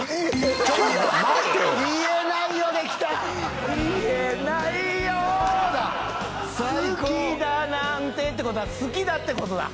好きだなんてってことは好きだってことだ。